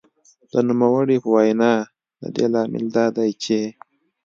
د نوموړې په وینا د دې لامل دا دی چې